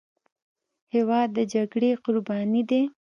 هېواد د جګړې قرباني دی.